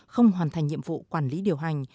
không hoàn thành nhiệm vụ quản lý điều hành